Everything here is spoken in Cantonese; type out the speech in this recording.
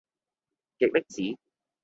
極力子